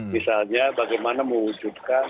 misalnya bagaimana mewujudkan